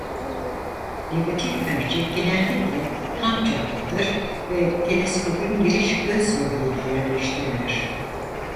Negatif mercek genellikle tam çaplıdır ve teleskopun giriş göz bebeğine yerleştirilir.